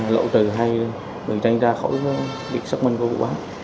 lộ trừ hai người tranh tra khỏi việc xác minh của vụ bán